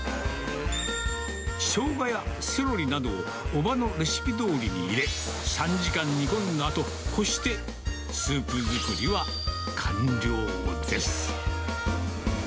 ショウガやセロリなどを伯母のレシピどおりに入れ、３時間煮込んだあと、こして、スープ作りは完了です。